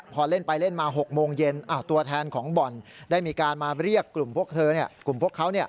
พอเล่นมา๖โมงเย็นตัวแทนของบ่อนได้มีการมาเรียกกลุ่มพวกเขา